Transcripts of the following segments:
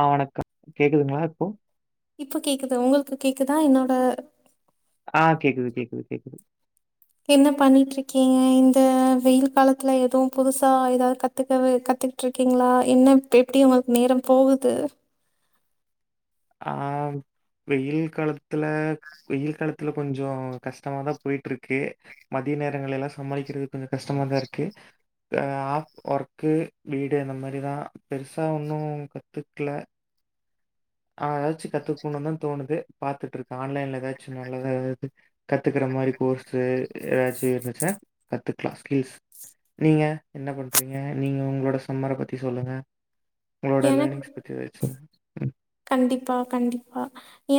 ஆஹ் வணக்கம் கேக்குதுங்களா இப்போ இப்ப கேக்குது உங்களுக்கு கேக்குதா என்னோட ஆஹ் கேக்குது கேக்குது கேக்குது என்ன பண்ணிட்ருக்கீங்க இந்த வெயில் காலத்துல எதுவும் புதுசா ஏதாவது கத்துக்கவே கத்துக்கிட்ருக்கீங்களா என்ன எப்டி உங்களுக்கு நேரம் போகுது ஆஹ் வெயில் காலத்துல வெயில் காலத்துல கொஞ்சோம் கஷ்டமாதா போயிட்ருக்கு மதிய நேரங்கள் எல்லாம் சமாளிக்கிறது கொஞ்சோம் கஷ்டமாதா இருக்கு, ஆஹ் ஆஃப் ஒர்க்கு வீடு அந்த மாரிதான் பெருசா ஒண்ணும் கத்துக்ல ஆஹ் ஏதாச்சும் கத்துக்கணும்னு தான் தோணுது பாத்துட்ருக்க ஆன்லைன்ல ஏதாச்சும் நல்லதா ஏதாவது கத்துக்கற மாரி கோர்ஸு ஏதாச்சும் இருந்துச்சுனா கத்துக்கலாம் ஸ்கில்ஸ் நீங்க என்ன பண்றீங்க நீங்க உங்களோட சம்மர பத்தி சொல்லுங்க உங்களோட எனக் லேர்னிங்ஸ் பத்தி ஏதாச்சு சொல்லுங்க ம் கண்டிப்பா கண்டிப்பா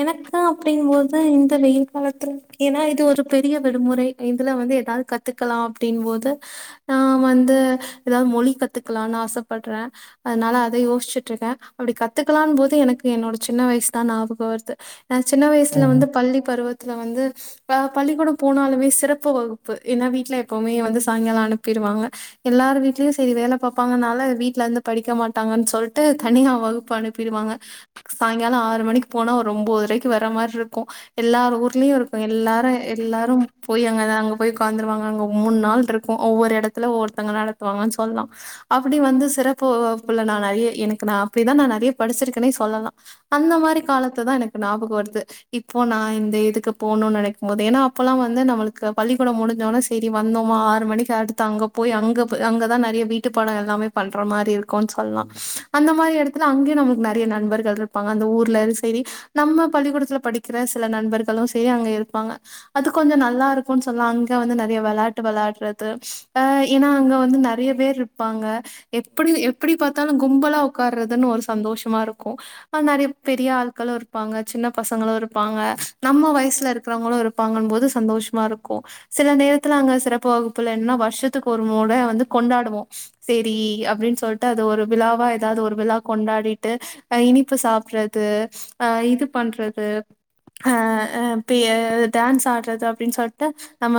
எனக்கு அப்டின்போது இந்த வெயில் காலத்துல ஏன்னா இது ஒரு பெரிய விடுமுறை இதுல வந்து எதாவது கத்துக்கலாம் அப்டின் போது நான் வந்து ஏதாவது மொழி கத்துக்கலாம்னு ஆசைப்படுறேன் அதனால அதை யோசிச்சுட்ருக்கேன் அப்டி கத்துக்கலான்னு போது எனக் க்கு என்னோட சின்ன வயசு தான் ஞாபகம் வருது நான் சின்ன வயசுல ம். வந்து பள்ளி பருவத் த்துல வந்து ப பள்ளிக்கூடம் போனாலுமே சிறப்பு வகுப்பு ஏன்னா வீட்ல எப்பவுமே வந்து சாயங்காலம் அனுப்பிடுவாங்க எல்லாரும் வீட்லயும் சரி வேல பாப்பாங்கனால வீட்லந்து படிக்க மாட்டாங்கன்னு சொல்ட்டு தனியா வகுப்பு அனுப்பிடுவாங்க சாயங்காலம் ஆறு மணிக்கு போனா ஒரு ஒம்பதரைக்கு வர மார்ருக்கும் எல்லாரூ ஊர்லயும் இருக்கும் எல்லாரும் எல்லாரும் போய் அங்க அங்க போய் உக்காந்துருவாங்க அங்க மூணு நாள்ட்ருக்கும் ஒவ்வொரு இடத்துல ஒவ்வொருத்தவங்க நடத்துவாங்கன்னு சொல்லலாம் அப்படி வந்து சிறப்பு வகுப்புல நான் நறைய எனக்கு நான் அப்புடிதான் நான் நறைய படிச்சிருக்கனே சொல்லலாம் அந்த மாரி காலத்து தான் எனக்கு ஞாபகம் வருது இப்போ நான் இந்த இதுக்கு போணும்னு நனைக்கும் போது ஏன்னா அப்பல்லாம் வந்து நம்மளுக்கு பள்ளிக்கூடம் முடிஞ்சோன சரி வந்தோமா ஆறு மணிக்கு அடுத்து அங்க போய் அங்க அங்கதான் நறைய வீட்டுப்பாடம் எல்லாமே பன்ற மாரி இருக்கும் சொல்லலாம் அந்த மாரி எடத்துல அங்கயே நமக்கு நறைய நண்பர்கள்ட்ரு ப்பாங்க அந்த ஊர்ல அது சரி நம்ம பள்ளிக்கூடத்துல படிக்கிற சில நண்பர்களும் சரி அங்க இருப்பாங்க அது கொஞ்சம் நல்லா இருக்கும்ன்னு சொல்ல அங்க வந்து நறைய வெளயாட்டு வெள்ளாட்டுறது அஹ் ஏன்னா அங்க வந்து நறைய பேர்ருப்பாங்க எப்படி எப்புடி பாத்தாலும் கும்பலா உக்கார்றதுன்னு ஒரு சந்தோஷமா இருக்கும் ந்தாலும் நறைய பெரிய ஆள்களும் இருப்பாங்க சின்ன பசங்களும் இருப்பாங்க நம்ம வயசுல இருக்கிறவங்களும் இருப்பாங்கன்னும் போது சந்தோஷமா இருக்கும் சில நேரத்துல அங்க சிறப்பு வகுப்புல என்ன வருஷத்துக்கு ஒரு மூட வந்து கொண்டாடுவோம் சரி அப்புடின்னு சொல்ட்டு அது ஒரு விழாவா ஏதாவது ஒரு விழா கொண்டாடிட்டு அஹ் இனி ப்பு சாப்பறது அஹ் இது பண்றது அஹ் அஹ் பிய டான்ஸ் ஆடுறது அப்டின்னு சொல்ட்டு நம்ம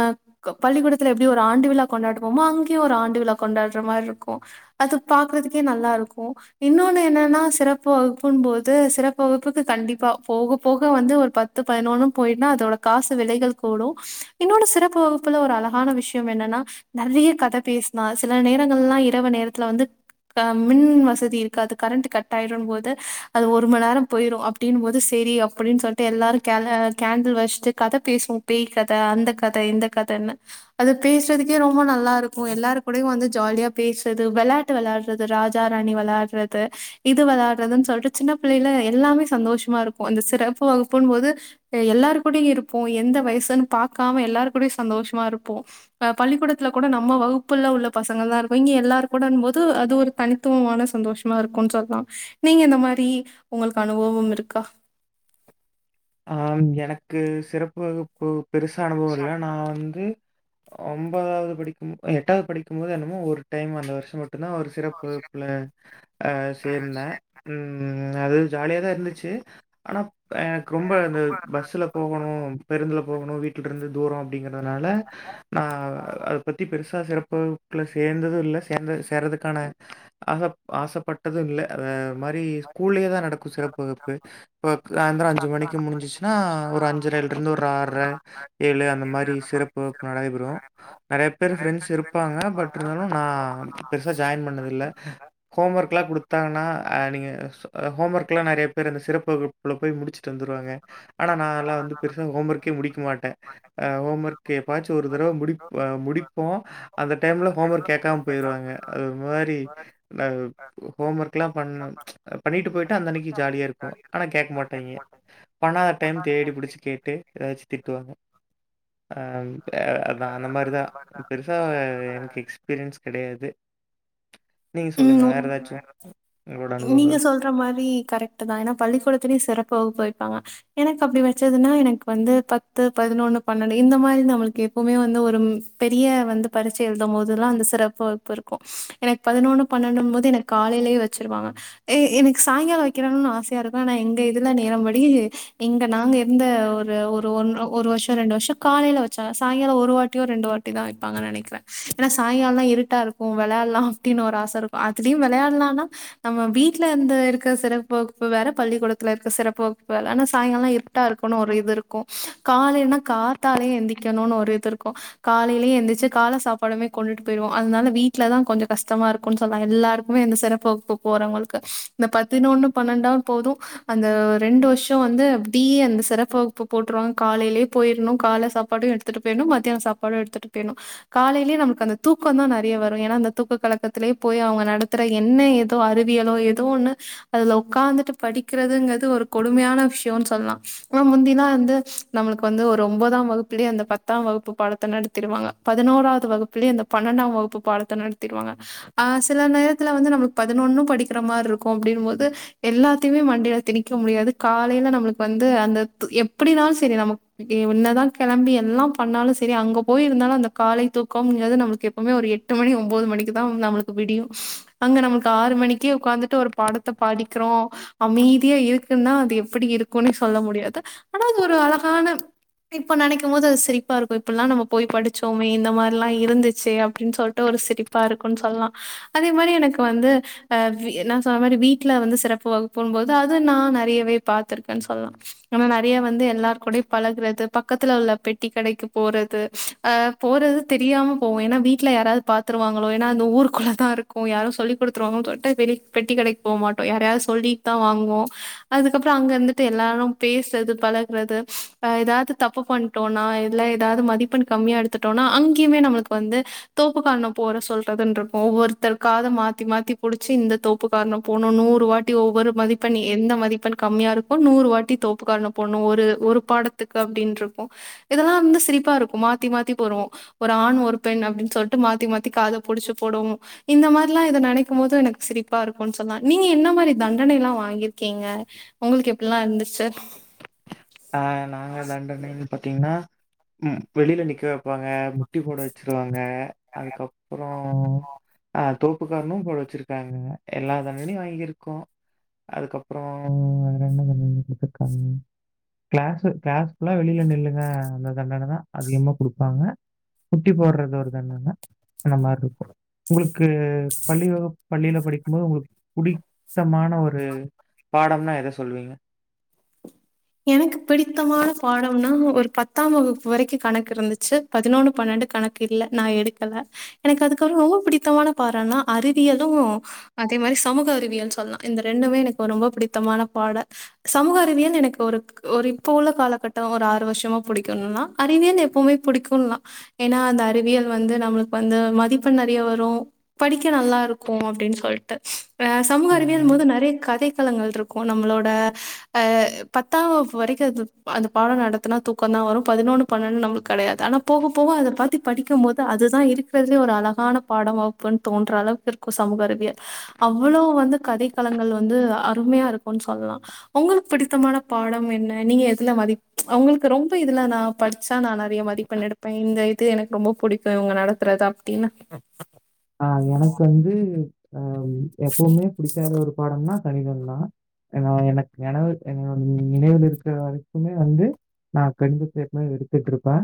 க பள்ளிக்கூடத்துல எப்டி ஒரு ஆண்டு விழா கொண்டாடுவோமோ அங்கேயும் ஒரு ஆண்டு விழா கொண்டாடுற மார்ருக்கும் அது பாக்குறதுக்கே நல்லா இருக்கும் இன்னொன்னு என்னன்னா சிறப்பு வகுப்பு புன் போது சிறப்பு வகுப்புக்கு கண்டிப்பா போக போக வந்து ஒரு பத்து பதினொன்னு போய்டுனா அதோட காசு விலைகள் கூடும் இன்னொரு சிறப்பு வகுப்புல ஒரு அழகான விஷயம் என்னன்னா நறைய கத பேஸ்லா சில நேரங்கள்லாம் இரவு நேரத்துல வந்து அ மின் வசதி இருக்குாது கரண்ட் கட் ஆயிடும் போது அது ஒரு மண் நேரம் போயிரும் அப்புடின்னு போது சரி அப்புடின்னு சொல்ட்டு எல்லாரும் கேல கேண்டல் வச்சிட்டு கத பேசுவோம் பேய் கத அந்த கத இந்த கதன்னு அது பேசுறதுக்கே ரொம்ப நல்லா இருக்கும் எல்லாரு கூடையும் வந்து ஜாலியா பேசுறது வெள்ளாட்டு வெளாட்றது ராஜா ராணி வெள்ளாட்றது இது வெள்ளாட் ட்றதன் சொல்ட்டு சின்ன பிள்ளைல எல்லாமே சந்தோஷமா இருக்கும் இந்த சிறப்பு வகுப்புன்னும் போது எல்லாரு கூடியும் இருப்போம் எந்த வயசுன்னு பாக்காம எல்லார் கூடியும் சந்தோஷமா இருப்போம் அஹ் பள்ளிக்கூடத்துல கூட நம்ம வகுப்புல உள்ள பசங்கள் தான் இருக்கும் இங்க எல்லாரும் கூடன்னும் போது அது ஒரு தனித்துவமான சந்தோஷமா இருக்கும்னு சொல்லலாம் நீங்க இந்த மாரி உங்களுக்கு அனுபவம் இருக்கா ஆஹ் ம் எனக்கு சிறப்பு வகுப்பு பெருசா அனுபவம் இல்ல நா வந்து ஒன்பதாவது படிக்கும் எட்டாவது படிக்கும் போது என்னமோ ஒரு டைம் அந்த வருஷம் மட் ட்டுந்தா ஒரு சிறப்புல அஹ் சேர்ந்தே உஹம் அது ஜாலியாதான் இருந்துச்சு ஆனா ப் அ ரொம்ப இந்த பஸ்ஸுல போகணும் பேருந்துல போகணும் வீட்டுட்றந்து தூரம் அப்டிங்கிறதுனால நா அத பத்தி பெருசா சிற க்குள்ள சேந்தது இல்ல சேந்த சேர்ரதுக்கான ஆச ஆசப்பட்டது இல்ல அத மாரி ஸ்கூல்லியே தா நடக்கு சிறப்பு வகுப்பு ப சாந்தர இன்னைக்கு முடிஞ்சுச்சுனா ஒரு அஞ்சரலேர்ந்து ஒரு ஆற்ர ஏழு அந்த மாரி சிறப்பு வகுப்பு நடைபெறு நெறய பேரு ஃப்ரெண்ட்ஸ் இருப்பாங்க பட் இருந்தாலு நா பெருசா ஜாயின் பண்ணதில்ல ஹோம் வர்க்லா குடுத்தாங்கனா நீங்க ஹோம் ஒர்க்லா நெறைய பேர் அந்த சிறப்பு வகுப்புல போய் முடிச்சு ட்டு வந்துருவாங்க ஆனா நா எல்லா பெருசா ஹோம் ஒர்கே முடிக்க மாட்டே அ ஹோம் ஒர்க் எப்பவாச்சு ஒரு தடவ முடிப் முடிப்போ அந்த டைம்ல ஹோம் ஒர்க் கேக்காம போயிருவாங்க அந்த மாரி நா ஹோம் ஒர்க்லா பண் பண்ணிட்டு போய்ட்டா அந்நன்னைக்கு ஜாலியா இருக்கு ஆனா கேக்க மாட்டாய்ங்க ஆனா டென்த் தேடி புடிச்சு கேட்டு ஏதாச்சு திட்டுவாங்க அ அதா அந்த மாரிதா பெருசா எனக்கு எக்ஸ்பீரியன்ஸ் கெடையாது நீங்க சொல்லுங்க, ம் வேற ஏதாச்சும் உங்களோட அனுபவங்கள்? நீங்க சொல்ற மாரி கரெக்ட் தா ஏன்னா பள்ளிக்கூடத்துலேயு சிறப்பு வகுப்பு வப்பாங்க எனக்கு அப்படி வச்சதுன்னா எனக்கு வந்து பத்து பதினொன்னு பன்னெண்டு இந்த மாரி நம்மளுக்கு எப்பவுமே வந்து ஒரு பெரிய வந்து பரீட்சை எழுதும் போதுல்லா அந்த சிறப்பு வகுப்பு இருக்கும் எனக் பதினொன்னு பன்னென்டும்போது எனக்கு காலையிலயே வச்சுருவாங்க எ எனக்கு சாயங்காலம் வைக்கிறுனு ஆசையா இருக்கும் ஆனா எங்க இதுல நேரம் படி இங்க நாங்க இருந்த ஒரு ஒரு ஒ ஒரு வருஷம் ரெண்டு வருஷம் காலையில வச்சாங்க சாயங்காலம் ஒரு வாட்டியோ ரெண்டு வாட்டி தா வைப்பாங்கன்னு நெனைக்கிறே ஏன்னா சாயங்காலலா இருட்டா இருக்கு வெளையால்லா அப்டினு ஒரு ஆச இருக்கு அதுலயு வெளையாடலானா நம்ம வீட்ல இருந்து இருக்ற சிறப்பு வகுப்பு வேற பள்ளிக்கூடத்துல இருக்க சிறப்பு வகுப்பு வேல ஆனா சாயங்காலம் இருட்டா இருக்குனு ஒரு இது இருக்கு காலலனா காத்தாலையே எந்திரிக்கணுனு ஒரு இது இருக்கு காலைலயே எந்திச்சு கால சாப்பாடுமே கொண்டுட்டு போயிடுவோ அதனால வீட்ல தா கொஞ்ச கஷ்டமா இருக்குன் சொன்ன எல்லாருக்குமே அந்த சிறப்பு வகுப்பு போறவங்களுக்கு இந்த பதினொன்னு பன்னெண்டாம் போது அந்த ரெண்டு வருஷம் வந்து அப்டியே அந்த சிறப்பு வகுப்பு போட்ருவாங்க காலையிலயே போயிடணு கால சாப்பாடும் எடுத்துட்டு போயிடணு மத்தியானம் சாப்பாடும் எடுத்துட்டு போயிடணு காலையிலயே நம்மளுக்கு அந்த தூக்கம் தா நிறைய வரும் ஏன்னா அந்த தூக்க கலக்கத்திலயே போய் அவங்க நடத்துற என்ன ஏதோ அறிவியலோ ஏதோன்னு அதுல உட்காந்துட்டு படிக்கிறதுங்கிறது ஒரு கொடுமையான விஷயோன்னு சொல்லலா ஆனா முந்திலா வந்து நம்மளுக்கு வந்து ஒரு ஒன்பதாம் வகுப்புலேயே அந்த பத்தாம் வகுப்பு பாடத்த நடத்திருவாங்க பதினோராவது வகுப்புலேயே அந்த பன்னெண்டாம் வகுப்பு பாடத்த நடத் திருவாங்க ஆ சில நேரத்துல வந்து நம்ளுக்கு பதினொன்னு படிக்கிற மாரி இருக்கு அப்டின்னும் போது எல்லாத்தயுமே மண்டையில திணிக்க முடியாது காலையில நம்மளுக்கு வந்து அந்த எப்படினாலு சரி நமக் என்னதா கெளம்பி எல்லா பண்ணாலு சரி அங்க போய் இருந்தாலு அந்த காலை தூக்கம்ங்கிறது நம்ளுக்கு எப்பவுமே ஒரு எட்டு மணி ஒம்போது மணிக்கு தா நம்மளுக்கு விடியும். அங்க நம்மளுக்கு ஆறு மணிக்கே உக்காந்துட்டு ஒரு பாடத்த படிக்றோ. அமைதியா இருக்குன்னா அது எப்படி இருக்குன்னே சொல்ல முடியாது. ஆனா அது ஒரு அழகான இப்ப நெனைக்கும் போது அது சிரிப்பா இருக்கும். இப்டில்லா நம்ம போய் படிச்சோமே இந்த மாறி எல்லா இருந்துச்சே அப்டின்னு சொல்லிட்டு ஒரு சிரிப் பா இருக்குனு சொல்லா. அதே மாரி எனக்கு வந்து அ நா சொன்ன மாரி வீட்ல வந்து சிறப்பு வகுப்புனும்போது அது நா நெறையவே பாத்திருக்கேன் சொல்லலா. நம்ம நெறைய வந்து எல்லார் கூடயும் பழகறது பக்கத்துல உள்ள பெட்டி கடைக்கு போறது ஆ போறது தெரியாம போவோ ஏன்னா வீட்ல யாராவது பாத் த்துருவாங்களோ ஏன்னா அந்த ஊருக்குள்ளதா இருக்கூ யாரும் சொல்லிக் குடுத்துருவாங்களோனு‌ சொல்ட்டு பெலி பெட்டி கடைக் போமாட்டோ யாரையாவது சொல்லி தா வாங்குவோம் அதுக்கப்புறோ அங்க இருந்துட்டு எல்லாரும் பேசற்து பழக்றது அ ஏதாவது தப்பு பண்ட்டோன்னா இல்ல ஏதாவது மதிப்பெண் கம்மியா எடுத்துட்டோன்னா அங்கியுமே நம்மளுக்கு வந்து தோப்பு காரணம் போட சொல்றதுன்ட்ருக்கூ ஒருத்தர் காத மாத்தி மாத்தி புடிச்சு இந்த தோப்பு காரணம் போட்ணு நூறு வாட்டி ஒவ்வொரு மதிப்பெண் எந்த மதிப்பெண் கம்மியா இருக்கும் நூறு வாட்டி தோப்பு காரணம் போட்ணு ஒரு ஒரு பாடத்துக்கு அப்டின்ட்ருப்போ இதெல்லாம் வந்து சிரிப்பா இருக்கும் மாத்தி மாத்தி போடுவோ ஒரு ஆண் ஒரு பெண் அப்டின் சொல்ட்டு மாத்தி மாத் த்தி காத புடிச்சு போடும் இந்த மார்ல்லா இத நெனைக்கும் போது எனக்கு சிரிப்பா இருக்கும்னு சொல்லா நீங்க என்ன மாரி தண்டனைல்லா வாங்கிருக்கீங்க உங்களுக்கு எப்புட்லா இருந்துச்சு ஆ நாங்க தண்டனைன்னு பாத்தீங்ன்னா ம் வெளில நிக்க வெப்பாங்க முட்டி போட வெச்சிருவாங்க அதுக்கப்புறோ அ தோப்புக்காரனும் போட வெச்சிருக்காங்க எல்லா தண்டனையும் வாங்கியிருக்கோ அதுக்கப்புறோ வேற என்ன தண்டன குத்துருக்காங்க கிளாஸு கிளாஸ் ஃபுல்லா வெளில நில்லுங்க அந்த தண்டன தா அதிகமா குடுப்பாங்க முட்டி போட்றது ஒரு தண்டன அந்த மார்ருக்கோ உங்களுக் க்கு பள்ளி வகுப் பள்ளியில படிக்கும்போது உங்குளுக் புடித்தமான ஒரு பாடம்னா எத சொல்லுவீங்க எனக்கு பிடித்தமான பாடம்னா ஒரு பத்தாம் வகுப்பு வரைக்கும் கணக்கு இருந்துச்சு பதினொன்னு பன்னெண்டு கணக்கு இல்ல நா எடுக்கல எனக்கு அதுக்கப்றோ ரொம்ப பிடித்தமான பாடோன்னா அறிவியலும் அதே மாரி சமூக அறிவியல் சொல்லா இந்த ரெண்டுமே எனக்கு ரொம்ப பிடித்தமான பாட சமூக அறிவியல் எனக்கு ஒருக் ஒரு இப்போ உள்ள காலகட்டோ ஒரு ஆறு வருஷமா புடிக்குன்னா அறிவியல் எப்பவுமே புடிக்குன்லா ஏனா அந்த அறிவியல் வந்து நம்மளுக் வந்து மதிப்பெண் நறைய வரூ படிக்க நல்லா இருக்கூ அப்டின் சொல்ட்டு அ சமூக அறிவியல்ன் ம். போது நறைய கதை [unintelligible] கள்ட்ருக்கோ நம்மளோட அ பத்தாம் வகுப்பு வரைக்கும் அது அந்த பாடோ நடத்துனா தூக்கந்தா வரூ பதினொன்னு பன்னெண்டு நம்மளுக்கு கடையாது ஆனா போக போக அத பாத்தி படிக்கும் போது அதுதா இருக்கறதுலே ஒரு அழகான பாடம் அப்போன் தோன்ற அளவுக்கு இருக்கும் சமூக அறிவியல் அவ்ளோ வந்து கதைக்களங்கள் வந்து அருமையா இருக்குன் சொல்லா உங்குளுக் பிடித்தமான பாடம் என்ன நீங்க எதுல மதிப் அவங்களுக்கு ரொம்ப இதுல நா படிச்சா நா நறைய மதிப்பெண் எடுப்பே இந்த இது எனக்கு ரொம்போ புடிக்கும் இவங்க நடத்துறது அப்டின்னு ஆ எனக்கு வந்து ஆ எப்பவுமே புடிக்காத ஒரு பாடம்னா கணிதம்தா ஏனா எனக்கு நெனவு [unintelligible] நினைவுல் இருக்கற வரைக்குமே வந்து நா [unintelligible] எடுத்துட்ருப்பே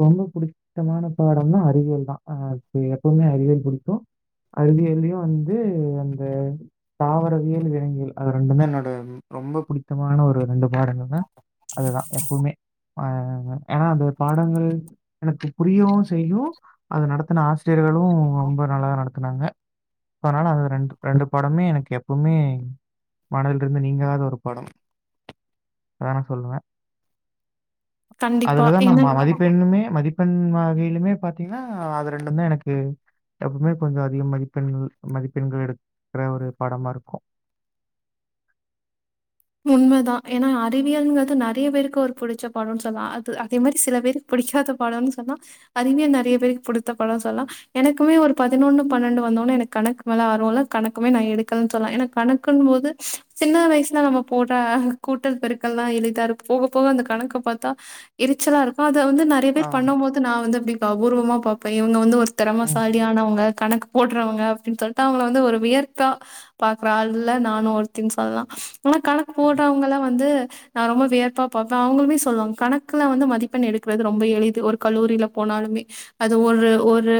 ரொம்போ புடித்தமான பாடம்னா அறிவியல் தா அ பே எப்பமே அறிவியல் புடிக்கு கு அறிவியல்லியு வந்து அந்த தாவரவியல் விலங்கியல் அது ரெண்டுமே என்னோட ரொம்ப புடித்தமான ஒரு ரெண்டு பாடங்கள் நா அதுதா எப்பவுமே ஆ ஏன்னா அந்த பாடங்கள் எனக்கு புரியவும் செய்யும் அது நடத்துன ஆசிரியர்களும் ரொம்ப நல்லா நடத்துனாங்க அதனால அது ரெண்டு ரெண்டு பாடமே எனக்கு எப்பவுமே மனதில இருந்து நீங்காத ஒரு பாடம் அதான் நான் சொல்லுவேன் கண்டிப்பா. அதுலதான் நம்ம ஏன்னா மதிப்பெண்ணுமே மதி பெண் வகையிலுமே பாத்தீங்கன்னா அது ரெண்டுமே எனக்கு எப்பவுமே கொஞ்ச அதிக மதிப்பெண்கள் மதிப்பெண்கள் எடுக்கற ஒரு பாடமா இருக்கு உண்மதா ஏனா அறிவியல்ங்கிறது நெறைய பேருக்கு ஒரு பிடிச்ச பாடன்னு சொல்லலா. அது அதே மாரி சில பேருக்கு பிடிக்காத பாடம்னு சொல்லலா அறிவியல் நெறைய பேருக்கு புடித்த பாடம்ன்னு சொல்லலா எனக்குமே ஒரு பதினொன்னு பன்னெண்டு வந்தோனே எனக்கு கணக்கு மேல ஆர்வோ இல்ல. கணக்குமே நா எடுக்கலன் சொல்லலா ஏனா கணக்குன் போது சின்ன வயசுல நாம போட்ற கூட்டல் பெருக்கள்ல்லா எளிதாருக்கு போக போக அந்த கணக்க பாத்தா எரிச்சலா இருக்கு அது வந்து நெறைய பேர் ஆம். பண்ணு போது நா வந்து அப்டி அபூர்வமா பாப்பே இவங்க வந்து ஒரு ம். திறமசாலியானவங்க கணக்கு போட்றவங்க அப்படின் சொல்ட்டு அவங்கள வந்து ஒரு வியர்த்தா பாக்கற ஆள்ல்ல நானு ஒருத்தின் சொல்லலா ஆனா கணக்கு போட்றவங்கலா வந்து நா ரொம்ப வியப்பா பாப்பே அவங்களுமே சொல்வாங்க கணக்குல வந்து மதிப்பெண் எடுக்கறது ரொம்ப எளிது. ஒரு கல்லூரியில போனாலுமே அது ஒரு ஒரு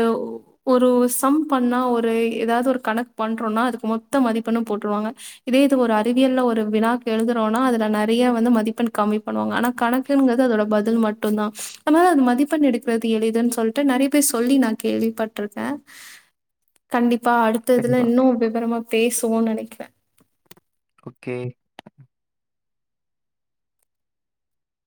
ஒரு சம் பண்ணா ஒரு ஏதாவது ஒரு கணக்கு பண்றோனா அதுக்கு மொத்த மதிப்பெண்ணு போட்டுருவாங்க. இதே இது ஒரு அறிவியல்ல ஒரு ஒரு வினாக்கு எழுதுறோனா அதுல நெறைய வந்து மதிப்பெண் கம்மி பண்ணுவாங்க. ஆனா கணக்குங்கறது அதோட பதில் மட்டுந்தா. ஆனா அது மதிப்பெண் எடுக்கறது எளிதுன் சொல்லிட்டு நெறைய பேர் சொல்லி நா கேள்விப்பட்டிருக்கே அ கண்டிப் அப்ப அடுத்த இதுல கண்டிப்பா. இன்னு விவரமா பே சுவோன் நெனைக்கிறே ஓகே